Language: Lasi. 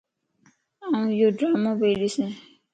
آن ايوڊرامو پيئي ڏسين